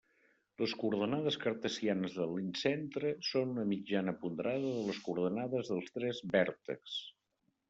Les coordenades cartesianes de l'incentre són una mitjana ponderada de les coordenades dels tres vèrtexs.